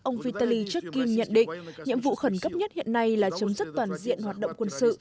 ông vitaly chuck kim nhận định nhiệm vụ khẩn cấp nhất hiện nay là chấm dứt toàn diện hoạt động quân sự